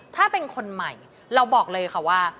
ถ้าเป็นคนใหม่เราบอกเลยค่ะว่า